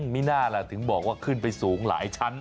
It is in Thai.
มิน่าล่ะถึงบอกว่าขึ้นไปสูงหลายชั้น